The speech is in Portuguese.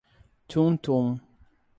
Tuntum